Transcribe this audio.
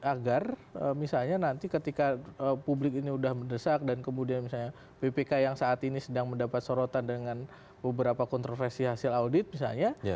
agar misalnya nanti ketika publik ini sudah mendesak dan kemudian misalnya bpk yang saat ini sedang mendapat sorotan dengan beberapa kontroversi hasil audit misalnya